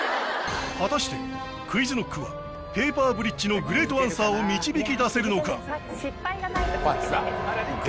果たしてＱｕｉｚＫｎｏｃｋはペーパーブリッジのグレートアンサーを導き出せるのか？